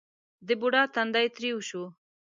د بوډا تندی ترېو شو: